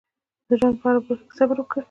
د ژوند په هره برخه کې صبر وکړئ.